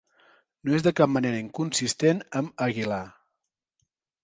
No és de cap manera inconsistent amb "Aguilar".